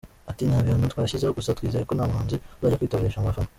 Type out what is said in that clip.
Ati, “ntabihano twashyizeho gusa twizeye ko ntamuhanzi uzajya kwitoresha mu bafana.